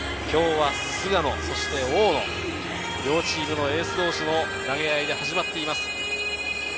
今日は菅野、そして大野、両チームのエース同士の投げ合いで始まっています。